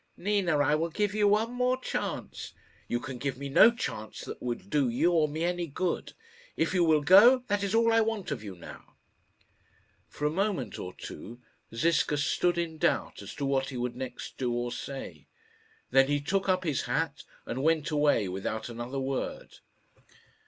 "Nina, I will give you one more chance." "You can give me no chance that will do you or me any good. If you will go, that is all I want of you now." For a moment or two Ziska stood in doubt as to what he would next do or say. Then he took up his hat and went away without another word.